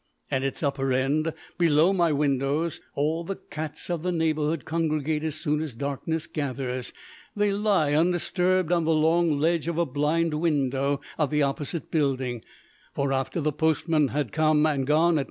At its upper end, below my windows, all the cats of the neighbourhood congregate as soon as darkness gathers. They lie undisturbed on the long ledge of a blind window of the opposite building, for after the postman has come and gone at 9.